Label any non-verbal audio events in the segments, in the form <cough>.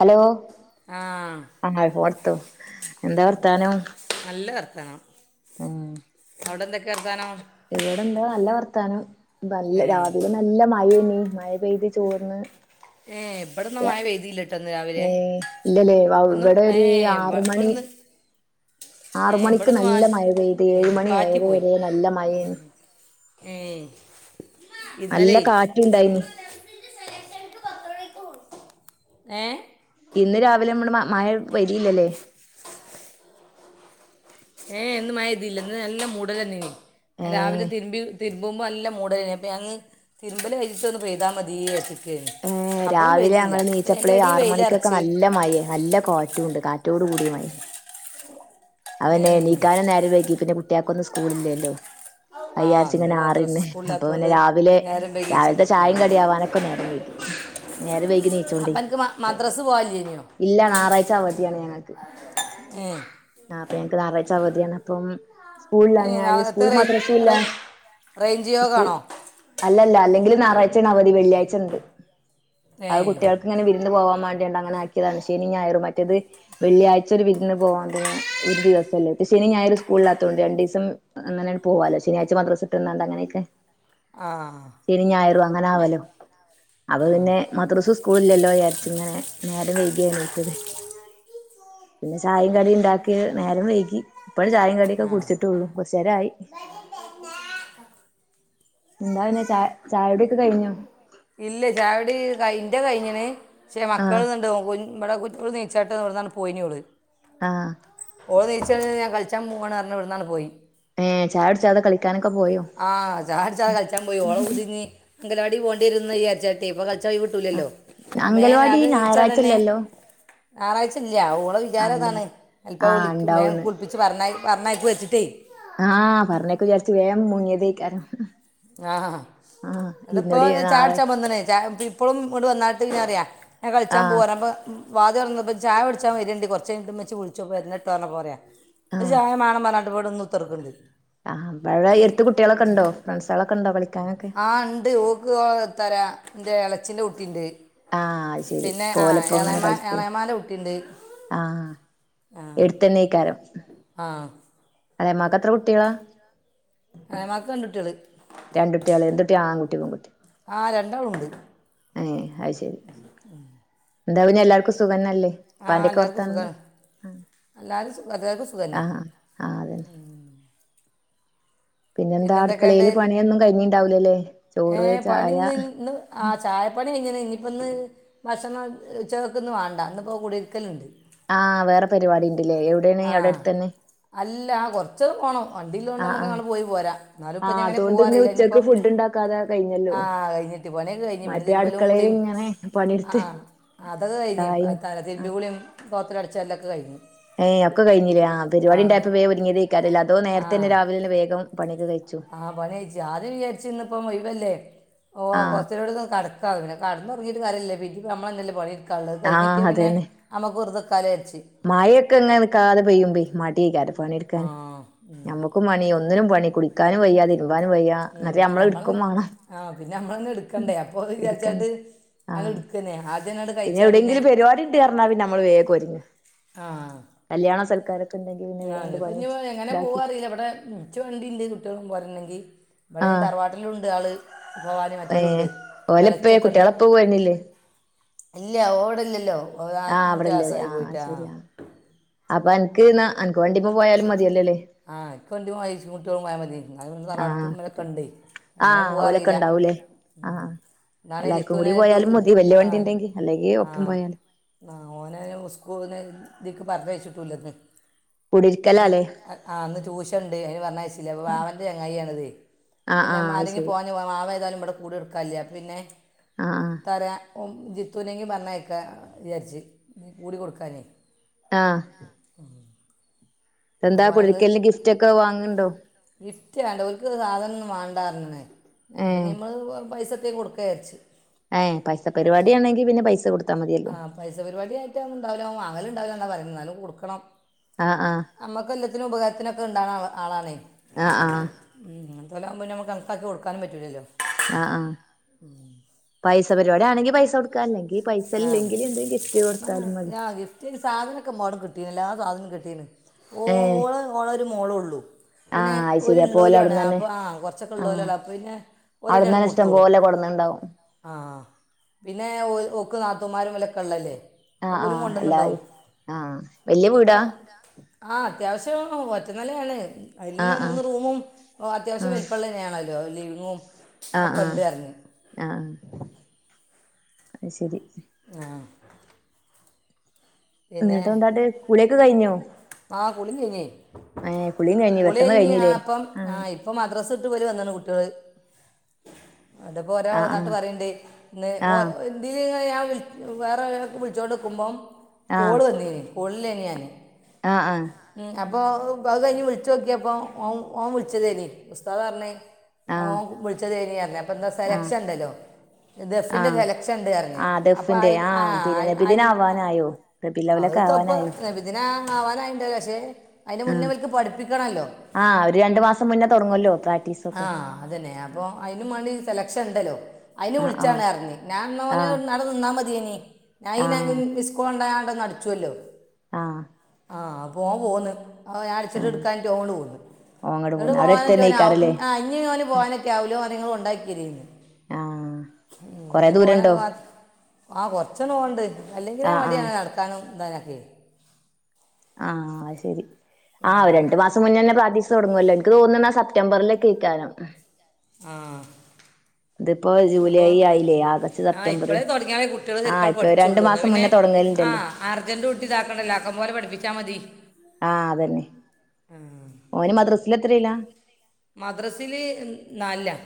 Hello ആ ആഹ് ഫോണെടുത്തോ എന്താ വർത്താനം നല്ല വർത്താനം ഉം അവടെന്തൊക്കെ വർത്താനം ഇവടെന്താ നല്ല വർത്താനം നല്ല ഏ രാവിലെ നല്ല മഴേനി മഴ പെയ്ത് ചോർന്ന് ഏഹ് ഇവടെന്നാ മഴ പെയ്തില്ലട്ടോ ന്ന് രാവിലെ ല്ലലെ വൗ ഒന്ന് ഏ ഇവടൊര് ആറ് ഇവിടെ മണി ഒന്ന് ഏ ആറ് ഇവിടെ മണിക്ക് ഒന്ന് നല്ല മാറ്റി മഴ പെയ്ത് ഏ ഏഴ് മണിഏഴര വെരെ നല്ല മഴേന്നു ഏഹ് നല്ല കാറ്റുണ്ടായിന് ഏഹ് ഇന്ന് രാവിലെ മ്മള് മഴ പെയ്തില്ലലെ ഏ ഏ ഇന്ന് മഴ പെയ്തില്ല ഇന്ന് നല്ല മൂടല് വെന്നീനി ഞാൻ രാവിലെ ഏഹ് തിര്മ്പി തിര് മ്പുമ്പോ നല്ല മൂടലേനി അപ്പൊ ഞാങ് തിരുമ്പല് കയ്ഞ്ട്ടൊന്ന് പെയ്താ മതീചാരിച്ച്ക്കേര്ന്ന് എ രാവിലെ ഞങ്ങള് നീച്ചപ്പള് ആറ് മണിക്കൊക്കെ വെയിലറച്ച് നല്ല മഴെ നല്ല കാ റ്റുണ്ട് കാറ്റോട് കൂടിയ മഴെ അപ്പൊ പിന്നെ ഏ എണീക്കാനും നേരം വെയ്കി പിന്നെ കു ട്ട്യാക്കൊന്നും സ്കൂള്ല്ലേല്ലൊ ആ അന്ന് അയ്യാര്ച്ച്ങ്ങനെ മദ്രസ ആറിന്ന് അപ്പൊ പിന്നെ സ്കൂളിലാത്തോണ്ട് രാവിലെ നേരം രാവിൽത്തെ വൈകിയിട്ടുണ്ടാവും ചായം കടിയാവാനൊക്കെ നേരം വെയ്കി നേരെ വെയ്കി നീച്ചോണ്ടെ അപ്പം എനിക്ക് മദ്രസ് പോകാനില്ലേ ഇനിയോ ഇല്ല ഞാറായ്ച്ച അവധിയാണ് ഞങ്ങക്ക് ഏ ആഹ് അപ്പൊ ഞങ്ങക്ക് ഞാറായ്ച്ച അവധിയാണ് അപ്പം ഏ സ്കൂളില്ലാഞാല് നാളത്തെ സ്കൂളും റേഞ്ച് മദ്രസുല്ലാ റേ റേഞ്ച് യോഗമാണോ അല്ലല്ല അല്ലെങ്കിലും ഞാറാഴ്ചേണ് അവധി വെള്ളിയാഴ്ചണ്ട് ഏ അത് കുട്ട്യാൾക്ക് ഇങ്ങനെ വിരുന്ന് പോവാൻ വാണ്ടി അണ്ട് അങ്ങനെ ആക്യേതാണ് ശെനിം ഞായറും മറ്റേത് വെള്ളിയായ്ച ഒരു വിരുന്ന് പോവാൻ പിന്നെ ഒരു ദിവസല്ലേ ഇത് ശെനിം ഞായറും സ്കൂളില്ലാത്തോണ്ട് രണ്ടീസം അങ്ങനെയണ്ട് പോവാലോ ശെനിയാഴ്ച മദ്രസ്ട്ടെന്നാണ്ട് അങ്ങനെയൊക്കെ ആഹ് ശെനിം ഞായറും അങ്ങനാവലൊ അപ്പൊ ആ പിന്നെ മദർസും സ്കൂളും ഇല്ലല്ലോ വിചാരിച്ച് ങ്ങനെ നേരം വെയ്ക്യാ എണീറ്റത് പിന്നെ ചായേം കടിം ണ്ടാക്കി നേരം വെയ്കി ഇപ്പൊരു ചായേം കടിയൊക്കെ ആ കുടിച്ചിട്ടൊള്ളു കൊർച്ചേരായി എന്താ പിന്നെ ചായ ചായുടിയൊക്കെ കഴിഞ്ഞൊ ഇല്ലേ ചായുടി കയ് ഇന്റെ കൈഞ്ഞിണ് പക്ഷെ ആഹ് മക്കളതെണ്ട് കുഞ് ഇവടെ കുഞ് ഓള് നീച്ചാട്ട് വ്ടന്നണ്ട് പോയിന്യോള് ആഹ് ഓള് നീച്ചത് ഞാൻ കളിച്ചാ പൂവാണ് പർഞ് ഇവ്ട്ന്നണ്ട് പോയി ഏഹ് ചായ കുടിച്ചാതെ കളിക്കാനൊക്കെ പോയോ ആഹ് ചായുട്ചാതെ കളിച്ചാൻ പോയി ഓളെ പൂതിഞ്ഞി അംഗലവാടി പോണ്ടി വെരും ന്ന് വിചാരിച്ചാട്ട് ഇപ്പൊ കളിച്ചാൻ ഒയ് വ്ട്ടൂല്ലല്ലോ മേം അങ്കൽവാടി രാവിലെ നീച്ചാടെന്നെ ഞായറാഴ്ചല്ലല്ലോ ഞാറായ്ചല്ല ഓളെ ആഹ് വിചാരതാണ് അല്ലല്ലേ അല്പ്പ ആഹ് വിളിക്കും മേം ഉണ്ടാവൂന്ന് കുളിപ്പി ച്ച് പർഞയ് പർഞയക്കും ച്ച്ട്ടെ ആഹ് പറഞ്ഞയ്ക്കും വിചാരിച്ച് വേം മുങ്ങിയതേക്കാരം ആഹ് ആഹ് ന്ന്ട്ട്പ്പോ ഇന്നോട് നാളെ ചായുട്ച്ചാ വെന്ന്ണ് ചായ പി പ്പളും ഇങട്ട് വെന്നാൾട്ട് പിന്നെ പറിയാ ഞാൻ കളിച്ചാൻ ആഹ് പോവാ ർഞ് അപ്പം വാതില് തൊറന്നപ്പം ചായ കുടിച്ചാൻ വെര്ണ്ട് കൊർച്ചയ്ഞ്ട്ട് ഇമ്മച്ചി വിൾച്ചും വെര്ണട്ടൊ പർഞപ്പൊ പറയാ ഒരു ആഹ് ചായമാണം പർഞ്ഞാണ്ട് വടെന്ന് കുത്തർക്ക്ണ്ട് <unintelligible> എട്ത്ത് കുട്ട്യാളൊക്കെണ്ടോ ഫ്രണ്ട്സാളൊക്കെണ്ടോ കളിക്കാനൊക്കെ ആഹ് ണ്ട് ഓക്ക് എത്താ പറയാ ഇന്റെ ഇളച്ചിന്റെ കുട്ടിണ്ട് ആഹ് അത് ശരി പിന്നെ ആ പോലപ്പോ അങ്ങനെ എളേമാ കളിക്കൂ എളേമാന്റെ കുട്ടിണ്ട്. ആഹ് എടുത്തന്നെക്കാരം. ആഹ്. എളേമാക്ക് എത്ര കുട്ടികളാ? എളേമാക്ക് രണ്ട് കുട്ടികള്. രണ്ടുട്ട്യാള് എന്തുട്ട്യാ ആൺകുട്ടിയോ പെൺകുട്ട്യോ? ആ രണ്ടാളും ഉണ്ട്. ഏ അത് ശരി. <inaudible> എന്താ പിന്നെ എല്ലാർക്കും സുഖന്നല്ലേ. ആ ഇപ്പാന്റൊക്കെ എല്ലാവർക്കും വർത്താനെന്താ സുഖമാണ് എല്ലാവരും സുഖം എല്ലാവർക്കും സുഖം തന്നെ ആഹ്, ആഹ് അതന്നെ. പിന്നെന്താ പിന്നെ എന്തൊക്കെയുണ്ട്? അടുക്കളയില് പണിയൊന്നും കഴിഞ്ഞിണ്ടാവൂലല്ലേ ചോറ് ഏഹ് പണി ഇന്ന്, ചായ ഇന്ന്. ആ ചായപ്പണി കഴിഞ്ണ്. ഇനിയിപ്പംന്ന് ഭക്ഷണം ഉച്ചക്ക് ന്ന് വേണ്ട ഇന്ന് ഇപ്പം കുടിരിക്കലുണ്ട്. ആഹ് വേറെ പരിപാടി ഉണ്ട്ല്ലേ എവിടെണ് ആ അവിടെ അടുത്തന്നെ. അല്ല കൊറച്ചൊന്ന് പോണം വണ്ടിള്ളോണ്ട് ആഹ് നമ്മുക്ക് ആഹ് ങ്ങനെ പോയി പോരാ എന്നാലും ആഹ് ഇപ്പഞ്ഞിങ്ങനെ അതുകൊണ്ട് ഇന്ന് പോവാറില്ല ഇനിയിപ്പോ. ഉച്ചക്ക് ഫുഡ് ഉണ്ടാക്കാതെ കഴിഞ്ഞല്ലോ ആഹ് കഴിഞ്ഞിട്ട് പണിയൊകെ കഴിഞ്ഞു പിന്നെ മറ്റേ തിരുമ്പലും അടുക്കളയിൽ കുളിയും ഇങ്ങനെ പണിയെടുത്ത് ആഹ്. അതൊക്കെ കഴിഞ് ചായിം ആഹ് തിരുമ്പികുളിയും തോത്തലും അടിച്ചു വാരലും ഒക്കെ കഴിഞ്ഞ്. ഏയ് ഒക്കെ കഴിഞ്ഞില്ലേ ആ പരിപാടിണ്ടായപ്പോ വേഗംഒരുങ്ങിയതൈക്കാരം ല്ലേ അതോ ആ നേരത്തെന്നെ രാവില വേഗം പണിയൊക്കെ കൈചോ. ആ പണി കഴിച്ചു ആദ്യം വിചാരിച്ച് ഇന്ന് ഇപ്പം ഒഴിവല്ലേ ഓ ആഹ് കൊറച്ചേരൂടൊന്ന് കട പിന്നെ കെടന്നൊറങീട്ട് കാര്യല്ല പിന്നെംഞമ്മളന്നെല്ലേ പണിയെടുക്കാള്ളത് അത് ആഹ് കഴിഞ്ഞിട്ടിയാ പിന്നെ. അതന്നെ അമ്മക്ക് വെർതെക്കാലോ വിജാര്ച്ച്. മഴയൊക്കെ ഇങ്ങനെ നിക്കാതെ പെയ്യുംമ്പം മടിയൈകാരം പണിയെടുക്കാൻ ആ ഞമ്മക്ക്. കും പണി ഒന്നിനും പണി കുളിക്കാനും വയ്യാതിരിക്ക ഉം ഞമ്മൾ ആഹ് പിന്നെ ഞമ്മളന്നെ എടുക്കണ്ടേ അപ്പൊ അത് എടുക്കന്നെ വിചാരിച്ചാണ്ട്. ആഹ് അതെട്. കന്നെ ആദ്യങ്ങാണ്ട്. പിന്നെ എവിടേങ്കിലും പരുവാടി ഇണ്ട്റ്ഞ്ഞാൽ പിന്നമ്മള് വേഗം ഒരുങ്ങും കല്യാണൊ സൽക്കാരൊക്കെ. ഉണ്ടെങ്കി പിന്നെ വേണ്ട് ആഹ് പണി ഇനിപ്പം അങ്ങനെ ഇതാക്കി പോകാ അറിയില്ല ഇവിടെ. കുച്ച് വണ്ടി ഇണ്ട് കുട്ടികളും പോരെണ്ടെങ്കി ഇവിടേം ആഹ് തറവാട്ടിലു ഉണ്ട് ആള്. ഭവാനി മറ്റവരുണ്ട് ഏഹ് ഓലപ്പെ ഇളച്ചൊക്കെ ഉണ്ട് കുട്ടികളെപ്പെ പോരണില്ലേ. ഇല്ല ഓവിടില്ലല്ലോ. ആഹ് അവിടെല്ലല്ലേ ആഹ് ശെരിയാ അപ്പൊ അനക്ക് എന്നാ അനക്ക് വണ്ടിമ്മെ പോയാലും മതിയല്ലോല്ലേ. ആഹ് ഇപ്പെന്തു വൈഫുംകുട്ട്യോ പോയമതി. എന്നാലും ആഹ് കുട്ടി തറവാട്ടിള്ളോലൊക്കെണ്ടേ എങ്ങനെ ആഹ് ഓലൊക്കെ പോവാറിയില്ല. ഉണ്ടാവൂലേ ആഹ് എല്ലാർക്കും കൂടി പോയാലും മതി വല്യ വണ്ടി ഉണ്ടെങ്കി അല്ലെങ്കി ഒപ്പം പോയാതി. ആഹ് ഓനെ ഇസ്കൂ ഇതിക്ക് പറഞ്ഞയച്ചിട്ടുല്ലരുന്നു. കുടിരിക്കലാല്ലേ ആഹ് ഇന്ന് ടൂഷണ്ട് അയ്ന് പറഞ്ഞയച്ചില്ല അപ്പൊ വാവന്റെ ചങ്ങായിയാണത്. ആഹ്, ആഹ് അയ് ശരി. വാവേതാലും ഇവിടെ കൂടി എട്ക്കാല്ലെ പിന്നെ ആഹ് ആഹ് തര ജിത്തുനെങ്കി പറഞ്ഞയക്കാ വിചാരിച്ച് കൂടി കൊടുക്കാനേ. ആഹ്. എന്താ അപ്പോൾ അവനൊന്ന് കുടിരിക്കലിന് ഗിഫ്റ്റൊക്ക വാങ്ങണ്ടോ? ഗിഫ്റ്റ് വേണ്ട ഓര്ക്ക് സാധനൊന്നും വേണ്ടാ പറഞ്ഞിന് ഏഹ് അപ്പിനിമ്മള് പൈസത്തേക്ക് കൊടുക്കാവിയാരിച്ച്. ഏഹ് പൈസപരിവാടിയാണെങ്കി പിന്നെ പൈസ കൊടുത്ത്. ആഹ് പൈസ പരിപാടിയായിട്ടങ്ങനെ ഉണ്ടാവുല വാങ്ങലുണ്ടാവില്ലന്നാ പറയുന്നെ എന്നാലും കൊടുക്കണം. ആഹ് ആഹ് നമ്മക്ക് എല്ലാത്തിനും ഉപകാരത്തിനൊക്കെ ഉണ്ടാണ ആളാണേ ആഹ് ആഹ് ഉം ഇങ്ങൻതോൽ ആവുമ്പോപിന്നേ നമക്ക് കണക്കാക്കി കൊടുക്കാനും പറ്റൂല്ലല്ലോ ആഹ് ആഹ് പൈസ പരിപാടി ആണെങ്കി പൈസ കൊടു കൊടുക്ക അല്ലെങ്കിൽ പൈസ ഇല്ലെങ്കില് എന്തെങ്കിലും ഗിഫ്റ്റ് കൊടുത്താലും മതി ഓക്ക് അയിന് സാധനൊക്കെ എമ്പാടും കിട്ടീനി എല്ലാ സാധനം കിട്ടീന് ഏഹ് ഓൽക്ക് ഓളൊരു മോളോള്ളു പിന്നെ ആഹ് അത് ഓര് ശരി അപ്പോ ഓല് ഇള്ളോരുവാണ് അവിടന്നന്നെ അപ്പ ആഹ് കൊറച്ചൊക്കെ ഇള്ളോലും ആണ് അപ്പ പിന്നെ അവിടുന്നന്നെ ഇഷ്ടം പോലെ കൊടന്ന്ണ്ടാവും ആഹ് പിന്നെ ഓക്ക് നാത്തൂന്മാരും ഇവലൊക്കെ ഇള്ളല്ലേ ആഹ് ആഹ് അല്ലാ ആഹ് വല്ല്യ വീടാ ആഹ് അത്യാവശ്യം ഒറ്റനെലയാണ് അയിലിന്നെ ആഹ് മൂന്ന് ആഹ് റൂമും അത്യാവശ്യം വെലപ്പള്ളന്നെയാണല്ലോ ഒരു ലിവിങ്ങും ആഹ് ഒക്കെ ആഹ് ഉണ്ട് പറഞ്ഞു ആഹ് അയ്ശരി ആഹ് എന്നിട്ടെന്താട്ട് കുളിയൊക്കെ കഴിഞ്ഞോ ആഹ് കുളികഴിഞ്ഞി ഏഹ് കുളിയും കഴിഞ്ഞു പെട്ടെന്ന് കുളികഴഞ്ഞി ഞാൻ കഴിഞ്ഞില്ലേ അപ്പം ആഹ് ഇപ്പം മദ്രസ വിട്ട് ഇവല് വന്ന്ണ് കുട്ടികള് ഇതിപ്പൊ ഒരാൾ വന്നാട്ട് ആഹ് പറയണ്ട് ഇന്ന് ഓ ആഹ് ഇതിലിങ്ങ ഞാൻ വേറെ ഒരാൾക്ക് വിളിച്ചോണ്ടിക്കുമ്പൊ ആഹ് കോള് വന്നീനി കോളിലേനി ഞാൻ ആഹ് ആഹ് ഉം അപ്പൊ അത് കഴിഞ്ഞ് വിളിച്ച് നോക്കിയപ്പൊ ഓൻ വിളിച്ചതേനി ഉസ്താത് പറഞ്ഞേ ആഹ് ആഹ് ഓം വിളിച്ചതേയ്നിറഞ്ഞ് അപ്പെന്താ സെലക്ഷ ആഹ് ഇണ്ടല്ലോ ദഫിന്റെ ആഹ് സെലക്ഷണ്ട് പറഞ്ഞ് ആ അപ്പൊ അ ദഫിന്റെ ആ പിന്നെ നബിദിന അ ആവാനായോ അത് റബിലവലൊക്കെ തൊപ്പ ആവാനായോ നബിദിന ആവാനായിണ്ടാവും പക്ഷേ അയിന്റെ മുന്നേ ആഹ് ഇവൽക്ക് പഠിപ്പിക്കണല്ലോ പിന്നേ തൊടങ്ങൂല്ലോ പ്രാക് ആഹ് അതന്നേ അപ്പൊ അതിനുംമാണ്ടി സെലെക്ഷൻ ഉണ്ടല്ലോ അയിന് ആ വിളിച്ചാണ് ആ പറഞ്ഞ് നാന്നോന് അവിടെ നിന്നാ മതിയേനി ആ <unintelligible> കൊണ്ടായാണ്ട് നടിച്ചുല്ലോ ആഹ് ആഹ് അപ്പോ ഓൻ പോന്ന് അപ്പ ഞാൻ അടിച്ചിട്ട് ഇടുക്കാഞ്ഞിട്ട് ഓന് ഇങ്ങട്ട് പോന്ന് ഓങ്ങട് എന്നിട്ട് പോന്ന് അവിടെ പോവാനൊക്കെ അടുത്തന്നെക്കാരല്ലേ ഇഞ്ഞോന് പോകാനൊക്കെ ആവൂല ഇഞ്ഞ് ഓനെങ്ങൾ കൊണ്ടാക്കിതരീന്ന് ആഹ് ഉം ഇഞ്ഞി പോന ആ കൊറച്ചണ്ണം പോകണ്ട് അല്ലെങ്കിലേ ആ ആ മടിയാണ് നട നടക്കാനും താനൊക്കെ ആഹ് അത് ശെരി ആ രണ്ടു മാസം മുന്നന്നെ പ്രാക്ടീസ് തുടങ്ങുല്ലോ ഇനിക്ക് തോന്ന്നെ ആ സെ്റ്റംബറിലേ ഒകേക്കാരം ആഹ് ഇതിപ്പോ അപ്പൊ ജൂലൈ ആയില്ലേ ആഗസ്റ്റ് ആഹ് സെപ്റ്റംബർ ഇപ്പഴേ തുടങ്ങിയലെ കുട്ടികൾ ആ ശെരിക്കങ്ങട്ട് ഇപ്പൊ രണ്ടു പഠിച്ചുള്ളൂ എന്നാ മാസം പിന്നെ മുന്നേ തുടങ്ങലുണ്ടല്ലോ ആഹ് അർജന്റ് കൂട്ടി ഇതാക്കണ്ടല്ലോ ആക്കം പോലെ പഠിപ്പിച്ചാൽ മതി ആഹ് അതന്നെ ഓന് മദ്രസില് എത്രീല മദ്രസില് നാലിലാ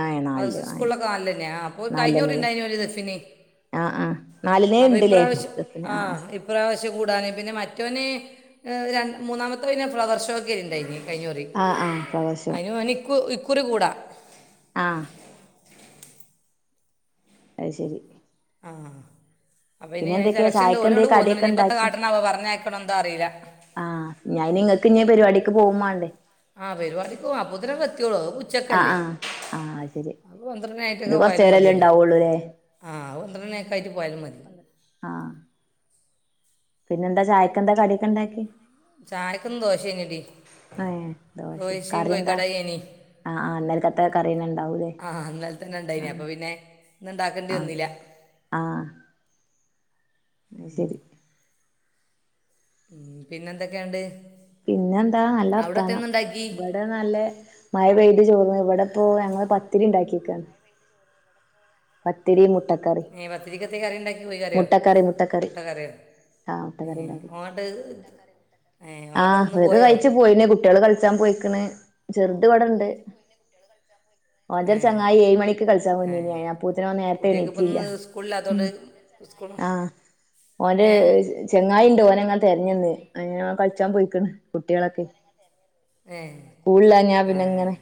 ആഹ് നാലില് <unintelligible> ആ സ്കൂളിലോക്കെ നല്ലിന്നയാ ആഹ് അപ്പോൽ നാലിലന്നെല്ലേ കയിഞ്ഞൂറിണ്ടായിഞ്ഞൂല്ത് ദർഫിന് ആഹ് ആഹ് നാലിനേ അപ്പൊ ഉണ്ട്ല്ലേ ഇപ്രാവശ്യം ബസിന് ആ ആഹ് പ്രാവശ്യം കൂടാന് പിന്നെ മറ്റോന് രണ്ട് മൂന്നാമത്തെന് പിന്നെ ഫ്ലവർ ഷോക്കെ ഇണ്ടായിന് കഴിഞ്ഞോറി ആഹ് ആഹ് ഫ്ലവർ ഷോ ഓന് ഇക്കുഇക്കുറി കൂടാ ആഹ് അയ്ശരി ആഹ് അപ്പൊ ഇനി അയ്ന് എന്തൊക്കെയാ സെലക്ഷൻണ്ട് ചായക്ക് ഓല് എന്ത ഇങ്ടെ കടിയൊക്കെ പോന്നുനി ഇപ്പോന്താ ഉണ്ടാക്കി കാട്ടണോ ആവോ പറഞ്ഞയക്കണോ എന്തോ അറിയില ആഹ് ഞാൻ നി നിങ്ങൾക്ക് ഇഞ്ഞി പരിപാടിക്ക് പോകുംമാണ്ടേ ആഹ് പരിപാടിക്ക് പോവാം അപ്പതിനെങ്ങെത്തിയോളോ ആഹ് ആഹ് ആ അത് ശരി ഇത് കൊറചേരെല്ലേ ഉണ്ടാവുള്ളൂല്ലേ ആഹ് അത് പന്ത്രണ്ട് മണി ഒക്കെ ആയിട്ട് പോയാലും മതി ആഹ് പിന്നെന്താ ചായക്കെന്താ കടിയൊക്കെ ഇണ്ടാക്കി ചായക്ന്ന് ദോശേ നടി ഏഹ് ദോശെ കറി എന്താ ഇനി ആഹ് ആഹ് ഇന്നലക്കത്തെ കറിയന ഇണ്ടാവൂല്ലേ ആ ഇന്നലെ തന്നെ ഉണ്ടായിനി ആഹ് അപ്പോൾ പിന്നെ ഇന്ന് ഉണ്ടാക്കേണ്ടി ആഹ് വന്നില്ല ആഹ് അയ്ശരി ഉം പിന്നെ എന്തക്കെയണ്ട് പിന്നെ എന്താ നല്ല വർത്താനം ഇവടെ നല്ല മഴ പെയ്തി ചോർന്നു ഇവിടെപ്പോ ഞങ്ങള് പത്തിരി ഇണ്ടാക്കിക്കാണ് പത്തിരി മുട്ടക്കറി ഏ പത്തിരിക്കത്തെ കറി ഉണ്ടാക്കി പോയി കറിയോ മുട്ടക്കറി മുട്ടക്കറി ആഹ് മുട്ടക്കറി ഇണ്ടാക്കി അങ്ങോട്ട് ആഹ് വ് ര് കഴിച്ചു പോയിന് കുട്ടികള് കളിച്ചാൻ പോയിക്ണ് ചെറുത്വ്ടെണ്ട് ഏ ഓന്റോരു ചങ്ങായി ഏഴ് മണിക്ക് കളിച്ചാൻ ഏ പോന്നീനി അ പ്പൂത്തിന് ഓൻ നേരത്തെ കുട്ടികൾക്ക് ഇപ്പം എണീറ്റില്ല ഇന്ന് ഉം സ്കൂളില്ലാത്തതുകൊണ്ട് സ്കൂൾ ആഹ് ഓന്റെ ഏ ചെങ്ങായി ഉണ്ട് ഓനങ്ങനെ തെരഞ്ന്ന് അങ്ങനെ ഓൻ കളിച്ചാൻ പോയിക്ണ് കുട്ട്യോളൊക്കെ ഏ സ്കൂളില്ലാഞാ ആ പിന്നെ ഇങ്ങനെ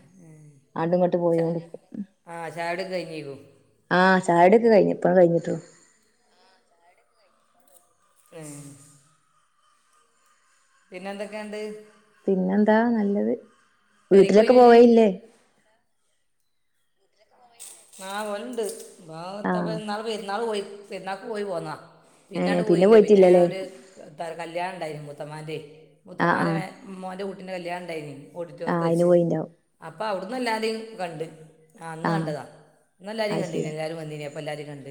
ആണ്ടുംങ്ങോട്ട് പോയോണ്ട്ക്കും ആഹ് ചായടിക്കെ കഴിഞ്ഞിക്കും ആഹ് ചായകുടിക്കെ കഴിഞ്ഞു ഇപ്പ കഴിഞ്ഞിട്ടോ ഉം പിന്നെ എന്തൊക്കെണ്ട് പിന്നെന്താ നല്ലത് പെരേക്ക് വീട്ടിലൊക്കെ പോയിനോ ഇജ്ജ് പോവലില്ലേ ആ പോവലുണ്ട് ആഹ് <unintelligible> ഇന്നാള് പെരുന്നാള് പോയി പെരുന്നാക്ക് പോയി പോന്നതാ ഏ പിന്നഡ് പോയില്ലേ പിന്നെ പോയിട്ടില്ലല്ലേ ഒരു കല്യാണം ഉണ്ടായിരുന്നു മുത്തമ്മാന്റെ ആഹ് മുത്തമ്മാനെ ആഹ് മോന്റെ കൂട്ടിന്റെ കല്യാണണ്ടായിന്നു ഓഡിറ്റോറിയത്ത് ആഹ് അയിന് വെച്ച് പോയിണ്ടാവും അപ്പ അവിടന്ന് എല്ലാരെയും കണ്ട് ആ അന്ന് ആഹ് കണ്ടതാ അന്നെല്ലാരേം അത് കണ്ടീന് ശരി എല്ലാരും വന്നീനെ അപ്പൊ എല്ലാരേം കണ്ട്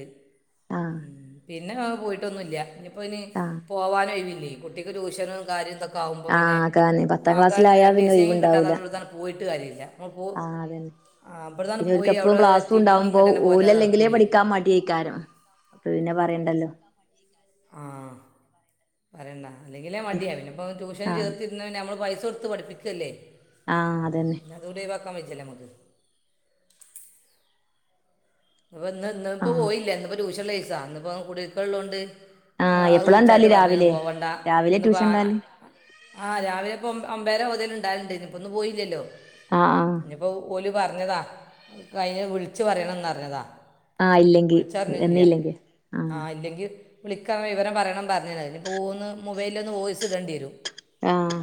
ആഹ് മ് പി പിന്നെ പോയിട്ടൊന്നുല്ല ഇനിയിപ്പോ ഇനി ആഹ് പോവാനൊഴിവില്ലെ കുട്ടിക്ക് ട്യൂഷനും കാര്യം ഇതൊ ക്കാവുമ്പോ പിന്നെ ആഹ് അതാണ് പത്താം ആകെ ക്ലാസ്സിലായാ പിന്നെ രണ്ടീസെങ്കിലും കിട്ടാതെ ഒഴിവുണ്ടാവൂല മ്മള് ഇത് പോയിട്ട് കാര്യല്ല അങ്ങ്പോ ആഹ് പ്രധാനം ഇവർക്ക് എപ്പളും ക്ലാസ്സും ഉണ്ടാവുമ്പോ ഓലല്ലെങ്കിലേ നടക്കൂലേ പഠിക്കാൻ മടിയയ്ക്കാരം അപ്പൊ പിന്നെ പറയണ്ടല്ലോ ആഹ് പറയണ്ട അല്ലെങ്കിലേ മടിയാണ് പിന്നെ ഇപ്പോ ട്യൂഷന് ആഹ് ചേർത്തി ഇന്നാ പിന്നെ നമ്മള് പൈസ കൊടുത്ത് പഠിപ്പിക്കല്ലേ ആഹ് അതന്നെ <unintelligible> ഒഴിവാക്കാൻ വജ്ജാല്ലോ അമ്മക്ക് ഇപ്പൊ ഇന്ന് ഇന്ന് ഇന്നിപ്പോ ആഹ് പോയില്ല ഇന്ന് ഇപ്പോ ട്യൂഷൻ ഉള്ളിസ ഇന്നിപ്പോ കുടിരിക്കലുള്ളൊണ്ട് ആഹ് അത് എപ്പളാ വിളിച്ചാട്ട് ഇണ്ടാവല് പറഞ്ഞ് രാവിലെ പോവണ്ട രാവിലെ ഇന്നിപ്പ ട്യൂഷൻ ഇണ്ടാവല് ആഹ് രാവിലെപ്പോ ഒമ്പര മുതലു ഇണ്ടാവലിണ്ട് ഇന്നിപ്പോ ഇന്ന് പോയില്ലല്ലോ ആഹ് ആഹ് ഇനിപ്പോ ഓല് പറഞ്ഞതാ കഴിഞ്ഞ വിളിച് പറയണം പറഞ്ഞതാ ആഹ് ഇല്ലെങ്കില് വന്നില്ലെങ്കി ആഹ് ഇല്ലേങ്കിൽ വിളിക്കാൻ വിവരം പറയണം പറഞ്ഞിന്നത് പോന്ന് മൊബൈലിൽ ഒന്ന് വോയിസ് ഇടെണ്ടി വരും ആഹ്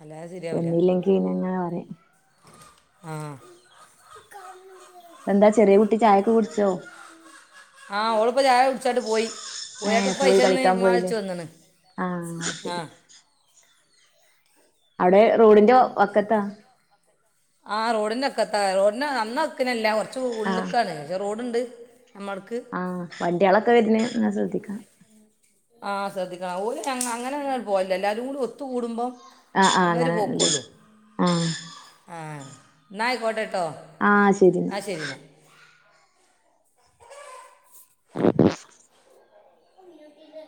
അല്ലാതെ ശരിയാവില്ല വന്നില്ലെങ്കി പിന്നെങ്ങനെ പറയും ആഹ് എന്താ ചെറിയ കുട്ടി ചായോക്കെ കുടിച്ചോ ആഹ് ഓളിപ്പ ചായകുടിച്ചാണ്ട് പോയി പോയിട്ട് ഏഹ് പോയി പൈച്ചന്ന് കളിക്കാൻ ഇമ്മ പോയില്ലേ വിളിച്ച് വന്നാണു ആഹ് ശരി ആഹ് അവടെ റോഡിന്റെ വക്കത്താ ആഹ് റോഡിന്റെ വക്കത്ത റോഡിന്റെ നന്നാ വാക്കിനല്ല കുറച്ച് ആഹ് ഉള്ള്ക്കാണ് പക്ഷെ റോഡ്ണ്ട് നമ്മോളോടുക്ക് ആഹ് വണ്ടികളക്കെ വരുന്നേ ഇങ്ങനെ ശ്രദ്ധിക്കണം ആഹ് ശ്രദ്ധിക്കണം ഓര് അങ്ങനെ അങ്ങ പോവല്ല എല്ലാരും കൂടി ഒത്തു കൂടുമ്പം ആഹ് ആഹ് അങ്ങനെല്ലേ ആഹ് ആഹ് ഇന്നാ ആയിക്കോട്ടെട്ടോ ആഹ് ശെരിന്നാ ശരിന്നാ <inaudible>